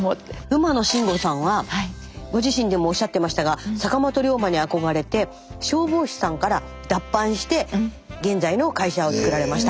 馬野信吾さんはご自身でもおっしゃってましたが坂本龍馬に憧れて消防士さんから脱藩して現在の会社をつくられました。